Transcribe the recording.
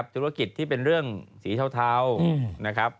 ธุรกิจที่เป็นเรื่องศรีเทา